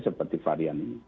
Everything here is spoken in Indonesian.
seperti varian ini